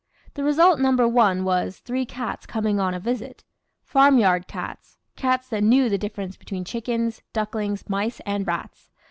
The result number one was, three cats coming on a visit. Farmyard cats cats that knew the difference between chickens, ducklings, mice, and rats.